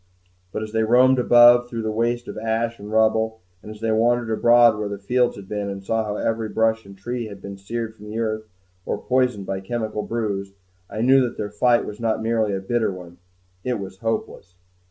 But as they roamed above through the waste of ash and rubble, and as they wandered abroad where the fields had been and saw how every brush and tree had been seared from the earth or poisoned by chemical brews, I knew that their fight was not merely a bitter one it was hopeless.